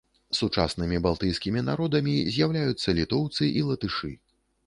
Сучаснымі балтыйскімі народамі з'яўляюцца літоўцы і латышы.